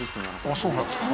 あっそうなんですか。